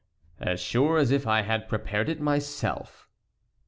"As sure as if I had prepared it myself."